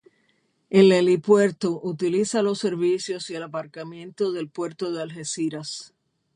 El helipuerto utiliza los servicios y el aparcamiento del puerto de Algeciras.